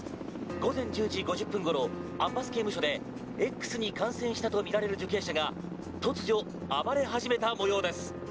午前１０時５０分ごろアッバス刑務所で“Ｘ”に感染したとみられる受刑者が突如暴れ始めたもようです。